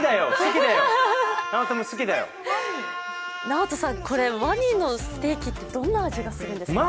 ナオトさん、これワニのステーキってどんな味がするんですか。